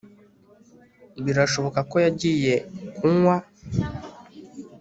birashoboka ko yagiye kunywa